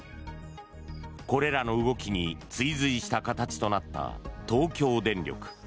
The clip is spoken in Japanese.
これらの動きに追随した形となった東京電力。